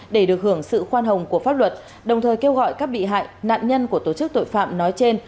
để được hưởng sự khoan hồng của pháp luật đồng thời kêu gọi các bị hại nạn nhân của tổ chức tội phạm nói trên